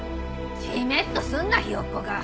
ジメっとすんなひよっこが！